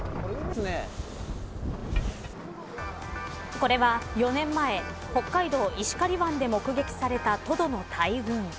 これは、４年前北海道、石狩湾で目撃されたトドの大群。